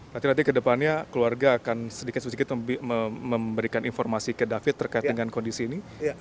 nanti nanti kedepannya keluarga akan sedikit sedikit memberikan informasi ke david terkait dengan kondisi ini